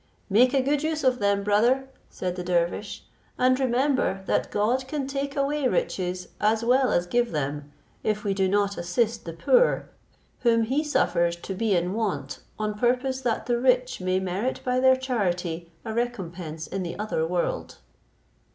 "Make a good use of them, brother," said the dervish, "and remember that God can take away riches as well as give them, if we do not assist the poor, whom he suffers to be in want, on purpose that the rich may merit by their charity a recompense in the other world."